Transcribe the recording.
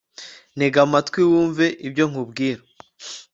ntega amatwi, wumve ibyo nkubwira